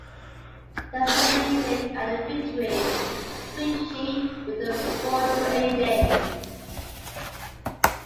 They estimated that a victory could be achieved within four to eight days.